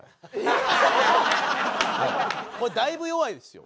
これだいぶ弱いですよ。